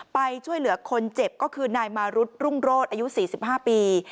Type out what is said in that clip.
ไปช่วยเหลือคนเจ็บก็คือนายมารุธรุ่งโรศอายุ๔๕ปี